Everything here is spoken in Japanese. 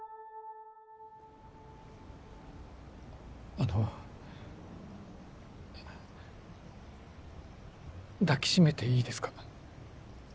あの抱きしめていいですか？